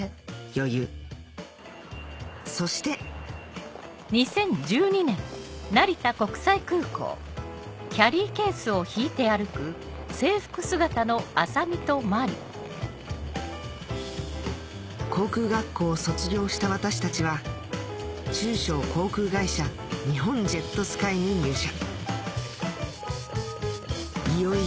余裕そして航空学校を卒業した私たちは中小航空会社日本ジェットスカイに入社